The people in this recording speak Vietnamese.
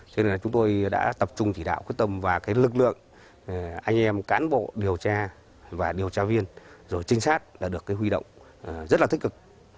cho nên là chúng tôi đã tập trung chỉ đạo quyết tâm và cái lực lượng anh em cán bộ điều tra và điều tra viên rồi trinh sát đã được huy động rất là tích cực